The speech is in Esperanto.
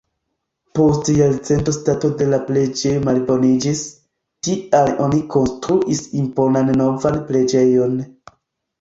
Post jarcento stato de la preĝejo malboniĝis, tial oni konstruis imponan novan preĝejon.